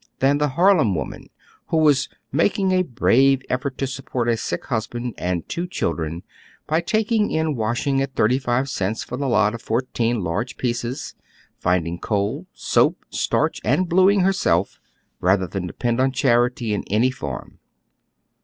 Than the Harlem woman, who was " making a brave effort to support a oy Google 174 HOW THE OTHER HALF LIVES. eick husband and two children by taking in washing at tliii ty five cents for tiie lot of fourteen large pieces, find ing coal, soap, starch, and bluing herself, rather than de pend on charity in any form."